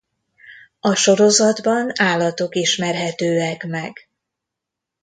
A sorozatban állatok ismerhetőek meg.